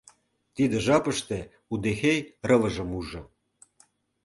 Тиде жапыште удэхей рывыжым ужо.